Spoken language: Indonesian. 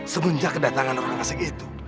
semenjak kedatangan orang asing itu